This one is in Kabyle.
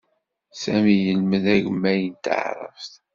Sami yelmed agemmay n taɛṛabt.